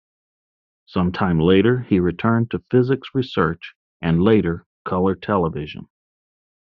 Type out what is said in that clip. Some time later, he returned to physics research and later colour television.